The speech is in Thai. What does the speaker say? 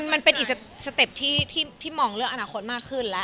มันเป็นอีกสเต็ปที่มองเรื่องอนาคตมากขึ้นแล้ว